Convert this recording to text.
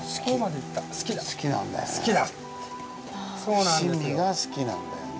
好き好きなんだよね。